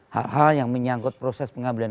hal hal yang menyangkut proses pengambilan